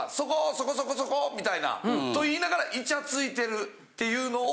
そこそこそこみたいなと言いながらイチャついてるっていうのを。